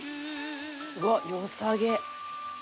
うわっ良さげ！